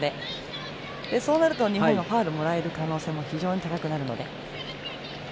そうなると、日本はファウルをもらえる可能性も非常に高くなるので。